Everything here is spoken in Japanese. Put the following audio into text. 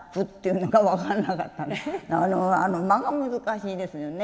間が難しいですよね。